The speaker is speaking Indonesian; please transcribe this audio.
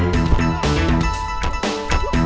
di sini sampai